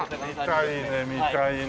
見たいね見たいね。